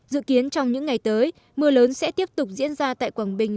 dự kiến trong những ngày tới mưa lớn sẽ tiếp tục diễn ra tại quảng bình